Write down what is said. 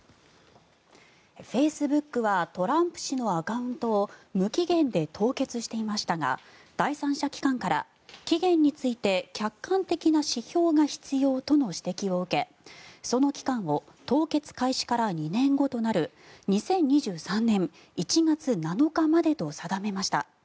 フェイスブックはトランプ氏のアカウントを無期限で凍結していましたが第三者機関から期限について客観的な指標が必要との指摘を受けその期間を凍結開始から２年後となる２０２３年１月７日までと定めました。